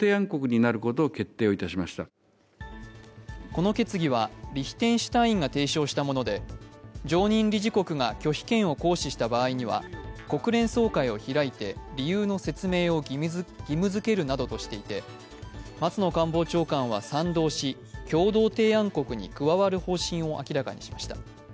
この決議はリヒテンシュタインが提唱したもので常任理事国が拒否権を行使した場合には、国連総会を開いて理由の説明を義務付けるなどとしていて松野官房長官は賛同し、共同提案国に加わる方針を明らかにしました。